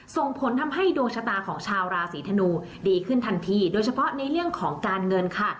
ส่งผลทำให้ดวงชะตาของชาวราศีธนูดีขึ้นทันทีโดยเฉพาะในเรื่องของการเงินค่ะ